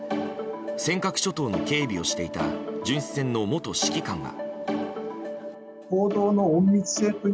尖閣諸島の警備をしていた巡視船の元指揮官は。